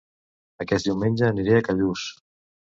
Aquest diumenge aniré a Callús